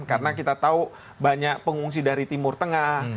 karena kita tahu banyak pengungsi dari timur tengah